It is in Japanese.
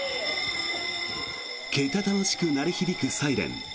けたたましく鳴り響くサイレン。